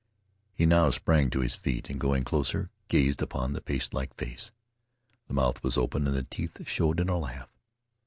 He now sprang to his feet and, going closer, gazed upon the pastelike face. The mouth was open and the teeth showed in a laugh.